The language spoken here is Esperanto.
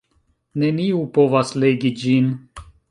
Neniu povas legi ĝin.